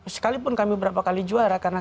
sekalipun kami berapa kali juara karena